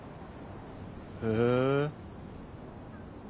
へえ。